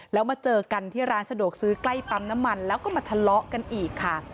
แล้วมาเจอกันที่ร้านสะดวกซื้อใกล้ปั๊มน้ำมันแล้วก็มาทะเลาะกันอีกค่ะ